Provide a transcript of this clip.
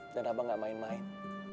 kenapa enggak main main